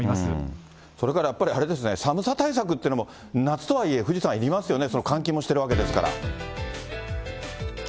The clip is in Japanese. それからやっぱりあれですね、寒さ対策っていうのも、夏とはいえ富士山、いりますよね。